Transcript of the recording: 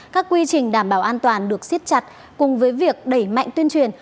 các quy trình đảm bảo an toàn được siết chặt cùng với việc đẩy mạnh tuyên truyền